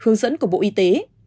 hướng dẫn của bộ y tế